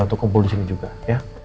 untuk kumpul disini juga ya